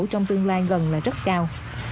trong tương lai gần là rất cao